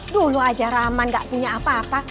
dulu saja rahman tidak punya apa apa